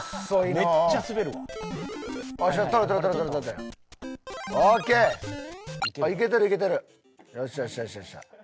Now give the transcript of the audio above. よっしゃよっしゃよっしゃ！